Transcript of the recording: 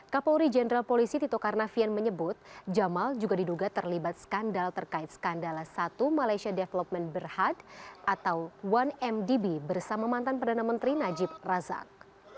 kapolri jenderal polisi tito karnavian menyebut jamal juga diduga terlibat skandal terkait skandala satu malaysia development berhad atau satu mdb bersama mantan perdana menteri najib razak